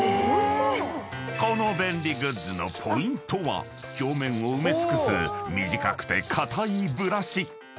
［この便利グッズのポイントは表面を埋め尽くす短くて硬いブラシ］